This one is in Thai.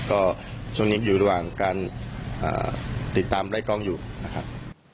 ก็ช่วงนี้อยู่ระหว่างการติดตามไล่กล้องอยู่นะครับ